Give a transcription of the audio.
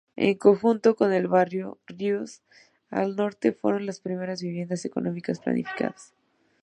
En conjunto con el barrio Reus al Norte, fueron las primeras viviendas económicas planificadas.